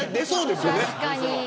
確かに。